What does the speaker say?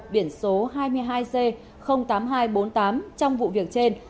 biển số hai mươi hai c tám nghìn hai trăm bốn mươi tám trong vụ việc trên